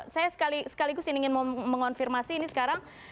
saya sekaligus ingin mengonfirmasi ini sekarang